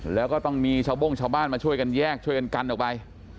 แล้วก็ต้องมีชาวโบ้งชาวบ้านมาช่วยกันแยกช่วยกันกันออกไป